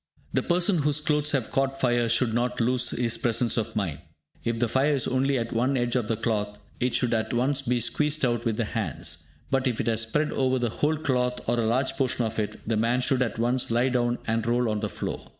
The person whose clothes have caught fire should not lose his presence of mind. If the fire is only at one edge of the cloth, it should at once be squeezed out with the hands; but if it has spread over the whole cloth or a large portion of it, the man should at once lie down and roll on the floor.